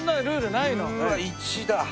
うわ１だ。